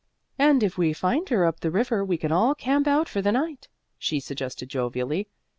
"And if we find her way up the river we can all camp out for the night," she suggested jovially.